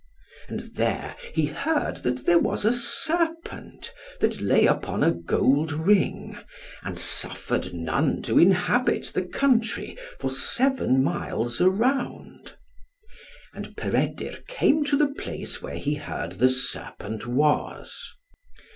And there he heard that there was a serpent that lay upon a gold ring, and suffered none to inhabit the country for seven miles around. And Peredur came to the place where he heard the serpent was.